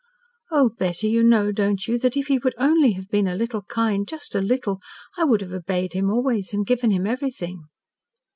Oh, Betty! you know, don't you, that that if he would only have been a little kind just a little I would have obeyed him always, and given him everything."